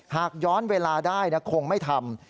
หากย้อนเวลาได้คงไม่ทำ